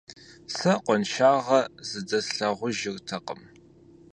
Сэ къуаншагъэ зыдэслъагъужыртэкъым.